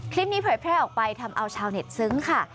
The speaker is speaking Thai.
คลิปนี้เผยออกไปทำเอาชาวเน็ตซึ้งค่ะ